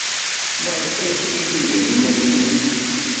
Maɣef ay yefka Yidir iman-nnes?